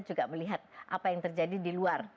juga melihat apa yang terjadi di luar